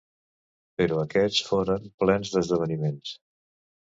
Però aquests foren plens d'esdeveniments.